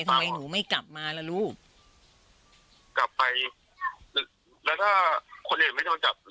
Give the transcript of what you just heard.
ทำไมหนูไม่กลับมาล่ะลูกกลับไปแล้วถ้าคนอื่นไม่โดนจับ